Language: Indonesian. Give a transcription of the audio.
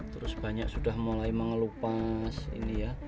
terus banyak sudah mulai mengelupas ini ya